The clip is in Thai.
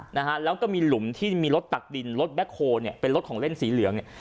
นะฮะแล้วก็มีหลุมที่มีรถตักดินรถแบ็คโฮลเนี่ยเป็นรถของเล่นสีเหลืองเนี่ย